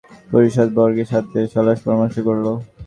ফিরআউন যা দেখল তা নিয়ে তার পারিষদবর্গের সাথে সলাপরামর্শ করল।